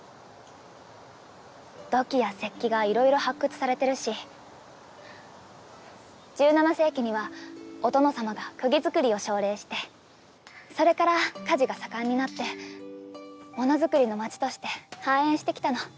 土器や石器がいろいろ発掘されてるし１７世紀にはお殿様が釘作りを奨励してそれから鍛治が盛んになって物作りの街として繁栄してきたの。